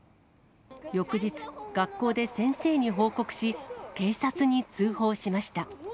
翌日、学校で先生に報告し、警察に通報しました。